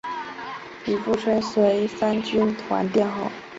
李富春随三军团殿后。